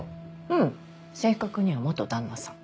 うん正確には旦那さん。